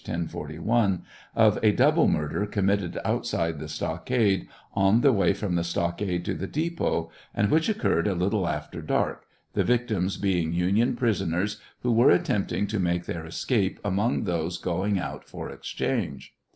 1041) of a double murder committed outside the stockade, on the way from the stock ade to the depot, and which occurred a little after dark, the victims being Union piisoners, who were attempting to make their escape among those going out for exchange.